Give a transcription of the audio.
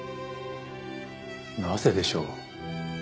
なぜでしょう？